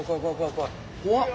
怖っ。